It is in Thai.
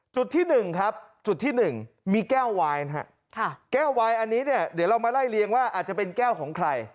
จุดที่๑ครับจุดที่๑มีแก้ววายนะฮะแก้ววายอันนี้เนี่ยเดี๋ยวเรามาไล่เลี้ยงว่าอาจจะเป็นแก้วของใคร